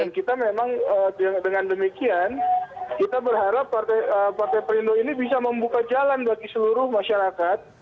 dan kita memang dengan demikian kita berharap partai perindo ini bisa membuka jalan bagi seluruh masyarakat